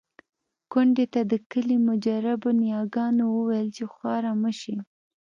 کونډې ته د کلي مجربو نياګانو وويل چې خواره مه شې.